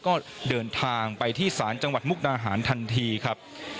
ก็เดินทางไปที่ศาลจังหวัดมุกนาหารทันทีครับ